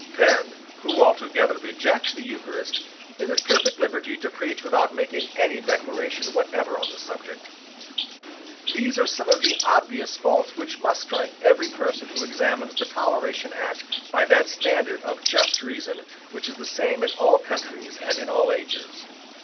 Penn, who altogether rejects the Eucharist, is at perfect liberty to preach without making any declaration whatever on the subject. These are some of the obvious faults which must strike every person who examines the Toleration Act by that standard of just reason which is the same in all countries and in all ages.